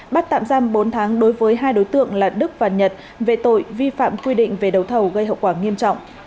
bắt tạm giam bốn tháng đối với hai đối tượng là đức và nhật về tội vi phạm quy định về đấu thầu gây hậu quả nghiêm trọng